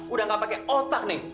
udah gak pakai otak nih